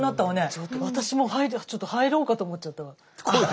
ちょっと私も入ろうかと思っちゃったわ。